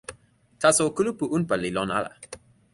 taso kulupu unpa li lon ala.